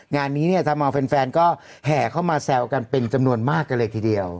งานนี้เนี่ยทำเอาแฟนก็แห่เข้ามาแซวกันเป็นจำนวนมากกันเลยทีเดียว